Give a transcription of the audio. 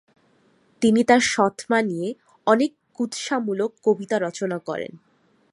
তিনি তার সৎমা নিয়ে অনেক কুৎসামূলক কবিতা রচনা করেন।